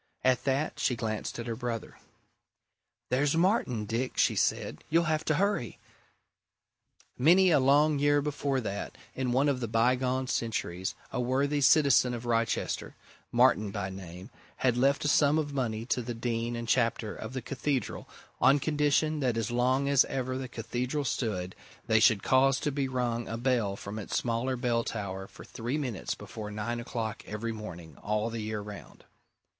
At that, she glanced at her brother. "There's Martin, Dick!" she said. "You'll have to hurry." Many a long year before that, in one of the bygone centuries, a worthy citizen of Wrychester, Martin by name, had left a sum of money to the Dean and Chapter of the Cathedral on condition that as long as ever the Cathedral stood, they should cause to be rung a bell from its smaller bell tower for three minutes before nine o'clock every morning, all the year round.